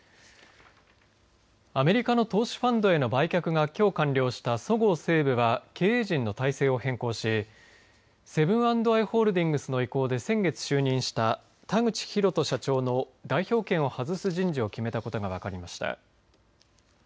アメリカの投資ファンドへの売却が、きょう完了したそごう・西武は経営陣の体制を変更しセブン＆アイ・ホールディングスの意向で先月就任した田口広人社長の代表権を外す人事を決めたことが分かりました。